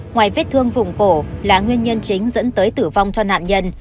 ngoài vết thương vùng cổ là nguyên nhân chính dẫn tới tử vong cho nạn nhân